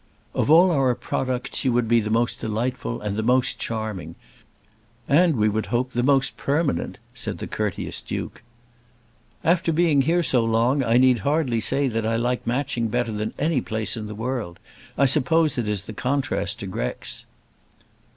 "Of all our products you would be the most delightful, and the most charming, and we would hope the most permanent," said the courteous Duke. "After being here so long I need hardly say that I like Matching better than any place in the world. I suppose it is the contrast to Grex."